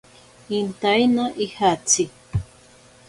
Intaina ijatsi.